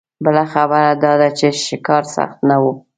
بله خبره دا ده چې ښکار سخت نه و.